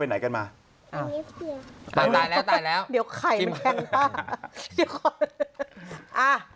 เดี๋ยวไขมันแทงป้า